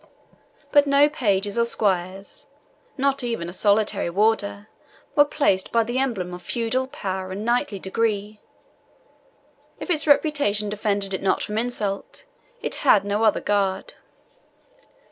But no pages or squires not even a solitary warder was placed by the emblem of feudal power and knightly degree. If its reputation defended it not from insult, it had no other guard.